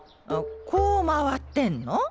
こう回ってんの？